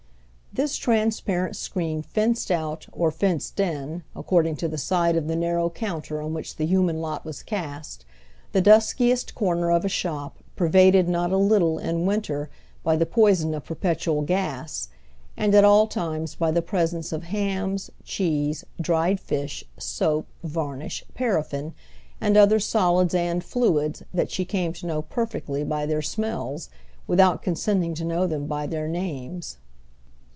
This transparent screen fenced out or fenced in, according to the side of the narrow counter on which the human lot was cast, the duskiest corner of a shop pervaded not a little, in winter, by the poison of perpetual gas, and at all times by the presence of hams, cheese, dried fish, soap, varnish, paraffin and other solids and fluids that she came to know perfectly by their smells without consenting to know them by their names.